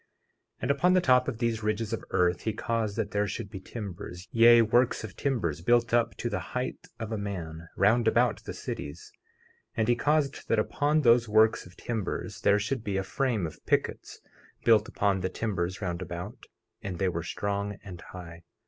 50:2 And upon the top of these ridges of earth he caused that there should be timbers, yea, works of timbers built up to the height of a man, round about the cities. 50:3 And he caused that upon those works of timbers there should be a frame of pickets built upon the timbers round about; and they were strong and high.